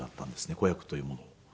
子役というものを。